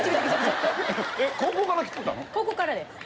高校からです。